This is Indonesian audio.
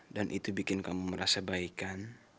dan itu bikin kamu merasa baikan